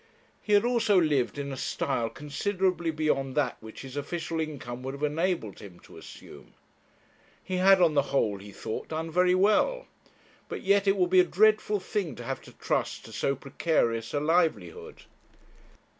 He had also lived in a style considerably beyond that which his official income would have enabled him to assume. He had on the whole, he thought, done very well; but yet it would be a dreadful thing to have to trust to so precarious a livelihood.